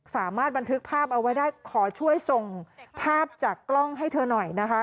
สามารถบันทึกภาพเอาไว้ได้ขอช่วยส่งภาพจากกล้องให้เธอหน่อยนะคะ